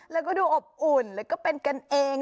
แล้วก็ดูอบอุ่นแล้วก็เป็นกันเอง